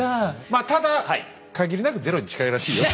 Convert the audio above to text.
まあただ限りなくゼロに近いらしいよ？